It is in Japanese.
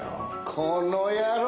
この野郎！